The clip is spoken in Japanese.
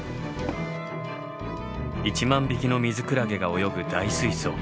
１万匹のミズクラゲが泳ぐ大水槽。